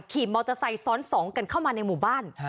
ขี่มอเตอร์ไซค์ซ้อนสองกันเข้ามาในหมู่บ้าน